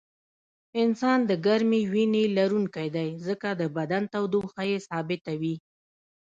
انسان د ګرمې وینې لرونکی دی ځکه د بدن تودوخه یې ثابته وي